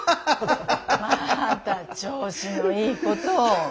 また調子のいいことを。